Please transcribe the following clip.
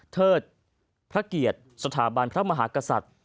ภรรยภะเกียรติภรรวมสถาบันราชมหมาศกษัตริย์